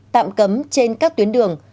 tạm cấm trên các tuyến đường